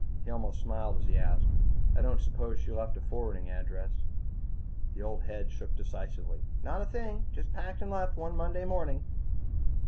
He almost smiled as he asked, "I don't suppose she left a forwarding address?" The old head shook decisively. "Not a thing. Just packed and left, one Monday morning."